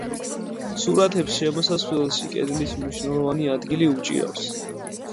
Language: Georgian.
სურათებს, შემოსასვლელში, კედლის მნიშვნელოვანი ადგილი უჭირავს.